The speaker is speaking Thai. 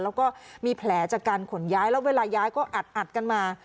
แล้วก็มีแผลจากการขนย้ายแล้วเวลาย้ายก็อัดกันมา